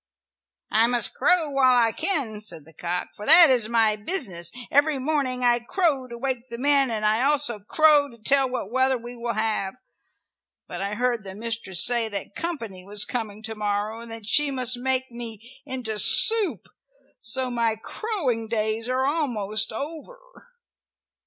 "I must crow while I can," said the cock, "for that is my business. Every morning I crow to wake the men, and I also crow to tell what weather we will have. But I heard the mistress say that company was coming to morrow and that she must make me into soup, so my crowing days are almost over."